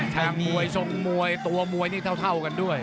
ทางมวยทรงมวยตัวมวยนี่เท่ากันด้วย